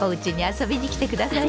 遊びに来て下さい。